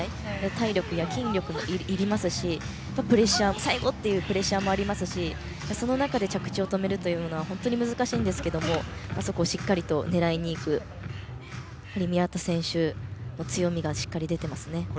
体力や筋力もいりますし最後というプレッシャーもありますしその中で着地を止めるのは本当に難しいですがそこをしっかり狙いにいく宮田選手の強みがしっかり出ていますね。